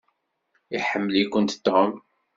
Iḥemmel-ikent Tom.